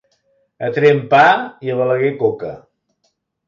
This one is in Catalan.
A Tremp pa i a Balaguer coca.